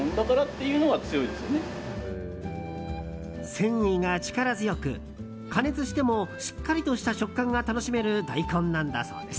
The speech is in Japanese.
繊維が力強く、加熱してもしっかりとした食感が楽しめる大根なんだそうです。